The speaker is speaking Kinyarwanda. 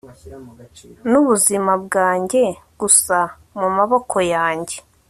Nubuzima bwanjye gusa mumaboko yanjye